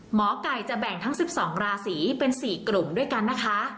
หมอไก่จะแบ่งทั้ง๑๒ราศีเป็น๔กลุ่มด้วยกันนะคะ